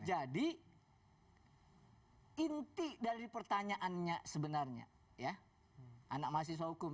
inti dari pertanyaannya sebenarnya ya anak mahasiswa hukum